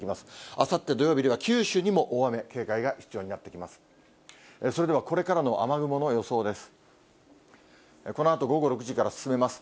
あさって土曜日では、九州にも大雨、警戒が必要になってきます。